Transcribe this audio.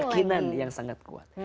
keyakinan yang sangat kuat